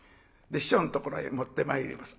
師匠のところへ持ってまいります。